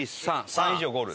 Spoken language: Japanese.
「３」以上でゴール。